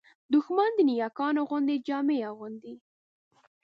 دښمن د نېکانو غوندې جامې اغوندي